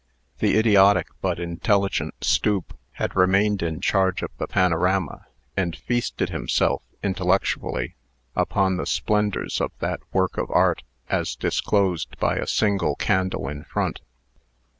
The idiotic but intelligent Stoop had remained in charge of the panorama, and feasted himself, intellectually, upon the splendors of that work of Art, as disclosed by a single candle in front.